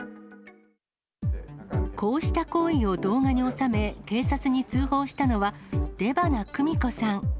こうした行為を動画に収め、警察に通報したのは、出花久美子さん。